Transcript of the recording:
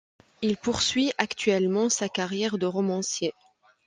Il poursuit actuellement sa carrière de romancier.